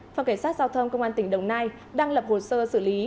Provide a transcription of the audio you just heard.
phòng cảnh sát giao thông công an tỉnh đồng nai đang lập hồ sơ xử lý